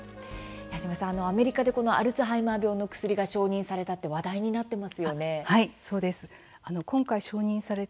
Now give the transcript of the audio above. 矢島さん、アメリカでアルツハイマー病の薬が承認されたということが話題になっていますね。